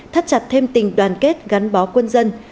thắt chặt thêm tình đoàn kết gắn bó quân dân